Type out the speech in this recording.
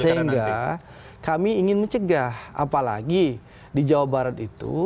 sehingga kami ingin mencegah apalagi di jawa barat itu